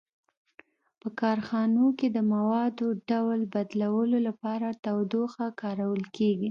په کارخانو کې د موادو ډول بدلولو لپاره تودوخه کارول کیږي.